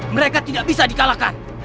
mereka tidak bisa di kalahkan